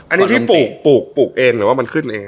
อันนี้ที่ปลูกปลูกปลูกเองหรือว่ามันขึ้นเอง